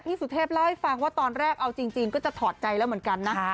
สุเทพเล่าให้ฟังว่าตอนแรกเอาจริงก็จะถอดใจแล้วเหมือนกันนะ